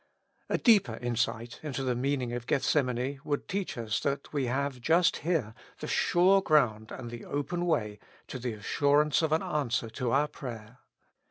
A deeper insight into the meaning of Gethsemane would teach us that we have just here the sure ground and the open way to the assurance of an answer to our prayer.